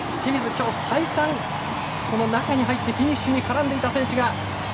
今日、再三中に入って、フィニッシュに絡んでいた選手が。